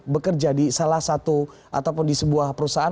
bekerja di salah satu ataupun di sebuah perusahaan